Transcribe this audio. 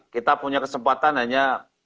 kita punya kesempatan hanya